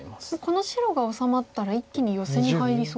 この白が治まったら一気にヨセに入りそうな。